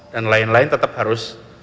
dan lain lain tetap harus